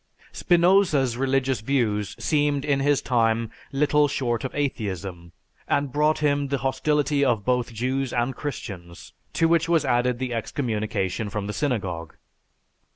Spinoza's religious views seemed in his time little short of atheism and brought him the hostility of both Jews and Christians, to which was added the excommunication from the synagogue.